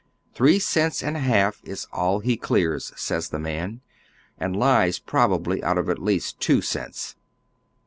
Thi'ee cents and a half is all he clears, says the man, and lies probably out of at least two cents.